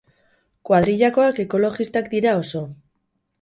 Kuadrillakoak ekolojistak dira, oso.